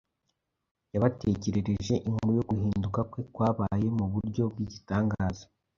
yabatekerereje inkuru yo guhinduka kwe kwabaye mu buryo bw’igitangaza